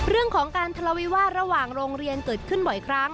เรื่องของการทะเลาวิวาสระหว่างโรงเรียนเกิดขึ้นบ่อยครั้ง